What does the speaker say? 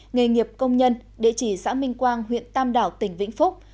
nghề nghiệp công nhân địa chỉ xã minh quang huyện tam đảo tỉnh vĩnh phúc